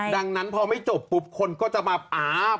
ดังนั้นพอไม่จบก็จะแบบ